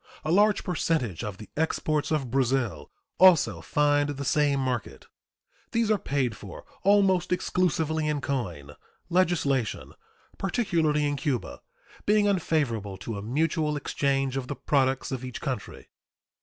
A large percentage of the exports of Brazil also find the same market. These are paid for almost exclusively in coin, legislation, particularly in Cuba, being unfavorable to a mutual exchange of the products of each country.